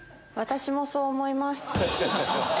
私もそう思います。